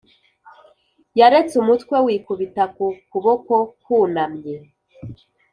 yaretse umutwe wikubita ku kuboko kwunamye,